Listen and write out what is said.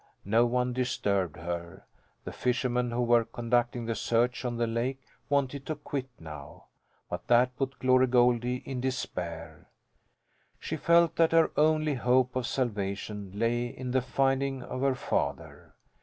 No one disturbed her. The fishermen who were conducting the search on the lake wanted to quit now. But that put Glory Goldie in despair. She felt that her only hope of salvation lay in the finding of her father.